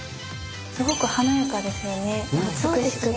すごく華やかですよね美しくて。